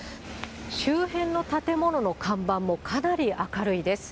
周辺の建物の看板もかなり明るいです。